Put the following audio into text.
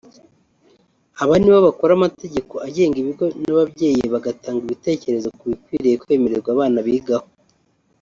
Aba nibo bakora amategeko agenga ibigo n’ababyeyi bagatanga ibitekerezo ku bikwiriye kwemererwa abana bigaho